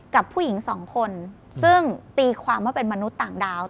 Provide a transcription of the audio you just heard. กับผู้หญิงสองคนซึ่งตีความว่าเป็นมนุษย์ต่างดาว